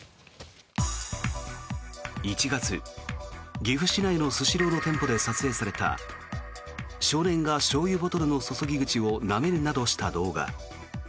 １月、岐阜市内のスシローの店舗で撮影された少年がしょうゆボトルの注ぎ口をなめるなどした動画。